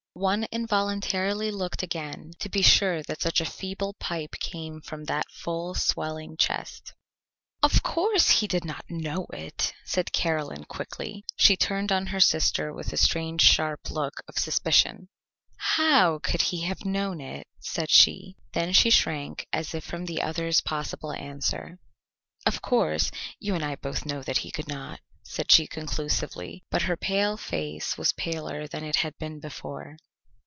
One involuntarily looked again to be sure that such a feeble pipe came from that full swelling chest. "Of course he did not know it," said Caroline quickly. She turned on her sister with a strange sharp look of suspicion. "How could he have known it?" said she. Then she shrank as if from the other's possible answer. "Of course you and I both know he could not," said she conclusively, but her pale face was paler than it had been before.